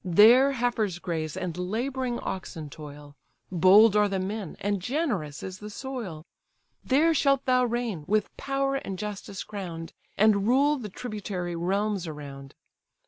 There heifers graze, and labouring oxen toil; Bold are the men, and generous is the soil. There shalt thou reign, with power and justice crown'd, And rule the tributary realms around.